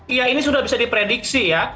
iya ini sudah bisa diprediksi ya